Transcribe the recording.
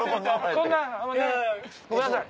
こんなごめんなさい。